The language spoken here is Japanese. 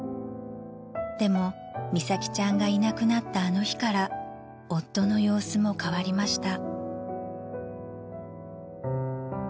［でも美咲ちゃんがいなくなったあの日から夫の様子も変わりました］